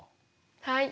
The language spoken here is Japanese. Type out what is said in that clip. はい。